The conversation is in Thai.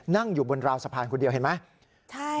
นั่งอยู่บนราวสะพานคนเดียวเห็นไหม